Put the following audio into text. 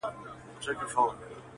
زه به ستا هېره که په یاد یم؛